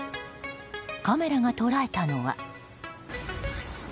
カメラが捉えたのは。